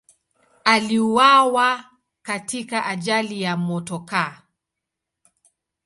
Aliuawa katika ajali ya motokaa.